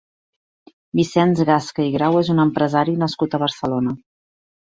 Vicenç Gasca i Grau és un empresari nascut a Barcelona.